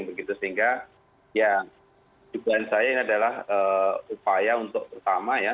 sehingga ya jubahan saya ini adalah upaya untuk pertama